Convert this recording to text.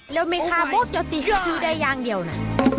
แล้วแม่ค้าบอกจะติดซื้อได้อย่างเดียวนะ